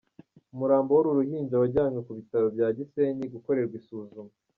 Umurambo w’uru ruhinja wajyanwe ku Bitaro bya Gisenyi gukorerwa isuzuma.